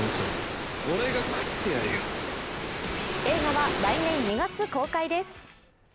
映画は来年２月公開です。